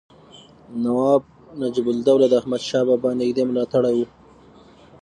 نواب نجیب الدوله د احمدشاه بابا نږدې ملاتړی و.